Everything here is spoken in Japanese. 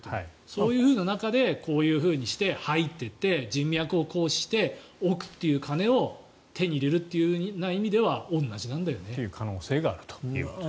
そういう中でこういうふうにして入っていって人脈を行使して億という金を手に入れるという意味では同じなんだよね。という可能性があると。